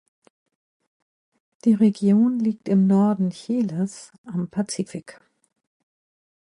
Die Region liegt im Norden Chiles am Pazifik.